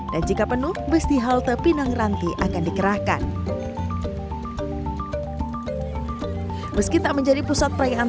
dan jika penuh bestih halte pinang ranti akan dikerahkan meski tak menjadi pusat perayaan